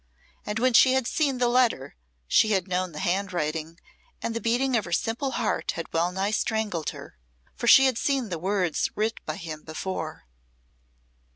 And when she had seen the letter she had known the handwriting, and the beating of her simple heart had well nigh strangled her for she had seen words writ by him before.